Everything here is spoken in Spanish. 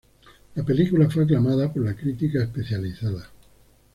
La película fue aclamada por la crítica especializada.